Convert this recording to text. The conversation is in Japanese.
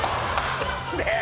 ねえ！